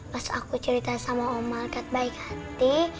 pas aku cerita sama om malkat baik hati